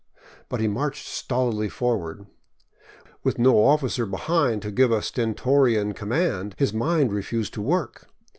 But he marched stolidly forward. With no officer behind to give a stentorian com mand, his mind refused to work.